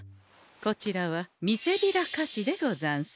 こちらはみせびら菓子でござんす。